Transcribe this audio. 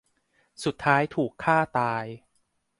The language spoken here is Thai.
สุดท้ายถูกฆ่าตาย